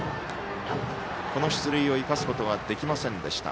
この出塁を生かすことはできませんでした。